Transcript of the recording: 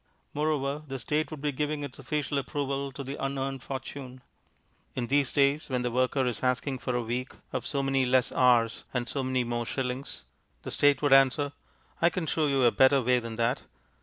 Moreover, the State would be giving its official approval to the unearned fortune. In these days, when the worker is asking for a week of so many less hours and so many more shillings, the State would answer: "I can show you a better way than that.